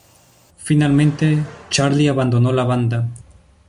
Finalmente, Charly abandonó la banda.